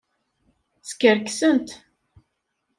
Skerksent.